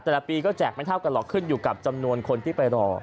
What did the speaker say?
แต่ละปีก็แจกไม่เท่ากันหรอกขึ้นอยู่กับจำนวนคนที่ไปรอ